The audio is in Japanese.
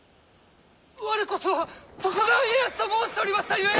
「我こそは徳川家康」と申しておりましたゆえ！